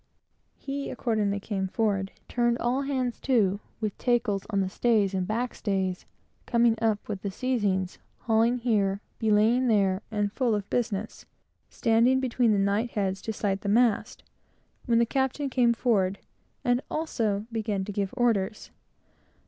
He accordingly came forward, turned all hands to, with tackles on the stays and back stays, coming up with the seizings, hauling here, belaying there, and full of business, standing between the knightheads to sight the mast, when the captain came forward, and also began to give orders.